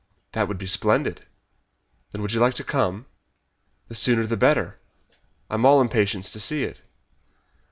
"That would be splendid." "When would you like to come?" "The sooner the better. I am all impatience to see it."